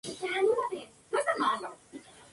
Su origen está en la travesía de Miajadas.